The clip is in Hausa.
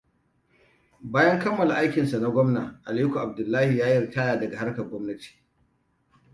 Bayan kammala aikin sa na gwamna, Aliko Abdullahison yayi ritaya daga harkar gwamnati.